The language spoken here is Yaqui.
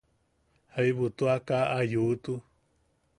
Jaibu tua kaa a yuutu.